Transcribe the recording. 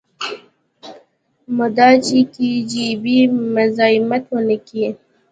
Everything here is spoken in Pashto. مدا چې کي جي بي مزايمت ونکي.